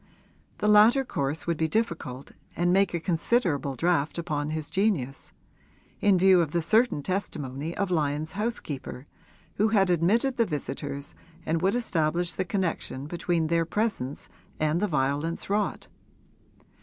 The latter course would be difficult and make a considerable draft upon his genius, in view of the certain testimony of Lyon's housekeeper, who had admitted the visitors and would establish the connection between their presence and the violence wrought.